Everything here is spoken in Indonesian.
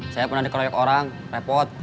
saya pernah dikeroyok orang repot